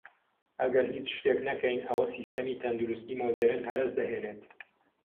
ئەگەر هیچ شتێک نەکەین ئەوە سیستەمی تەندروستی مودێرن هەرەس دەهێنێت